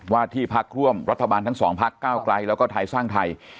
ที่พักร่วมรัฐบาลทั้งสองพักก้าวไกลแล้วก็ไทยสร้างไทย